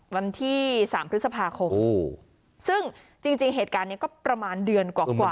วันที่๓พฤษภาคมซึ่งจริงเหตุการณ์นี้ก็ประมาณเดือนกว่า